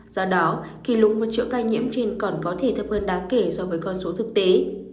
do đó kỷ lục một triệu ca nhiễm trên còn có thể thấp hơn đáng kể so với con số thực tế